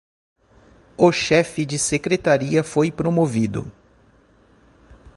O chefe de secretaria foi promovido